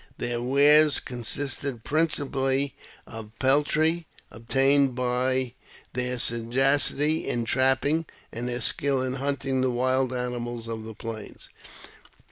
Their wares consisted principally of peltry, obtained by their sagacity in trapping, and their skill in hunting the wild animals of the plains.